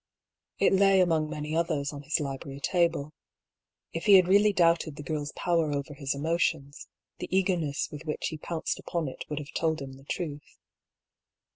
It lay among many others on his library table. If he had really doubted the girl's power over his emotions, the eagerness with which he pounced upon it would have told him the truth.